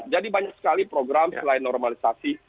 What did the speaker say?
banyak sekali program selain normalisasi